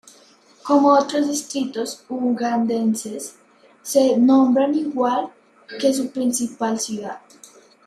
Como otros distritos ugandeses, se nombra igual que su principal ciudad.